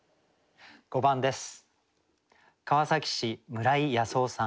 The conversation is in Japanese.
５番です。